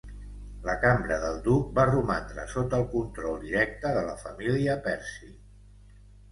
La cambra del duc va romandre sota el control directe de la família Percy.